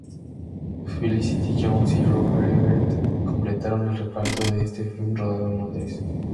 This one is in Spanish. Felicity Jones y Rupert Everett completaron el reparto de este film rodado en Londres.